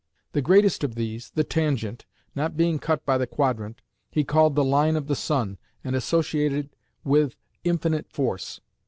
The greatest of these, the tangent, not being cut by the quadrant, he called the line of the sun, and associated with infinite force.